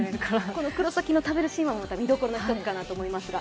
この黒崎の食べるシーンは見どころの一つかなと思うんですが。